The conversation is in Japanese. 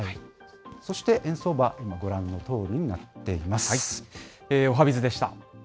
そして円相場は今、ご覧のとおりになっています。